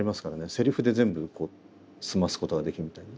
セリフで全部済ますことができるみたいな。